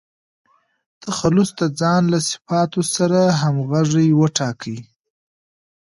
تخلص د ځان له صفاتو سره همږغى وټاکئ!